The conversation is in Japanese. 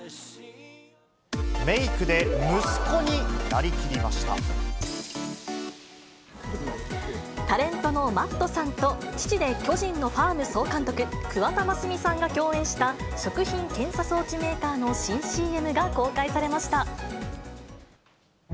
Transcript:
メークで息子になりきりましタレントのＭａｔｔさんと、父で巨人のファーム総監督、桑田真澄さんが共演した食品検査装置メーカーの新ＣＭが公開されました。